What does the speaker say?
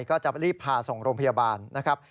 ก็จะรีบพาส่งโรงพยาบาลนะครับ